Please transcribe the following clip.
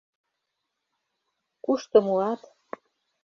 Кушто муат?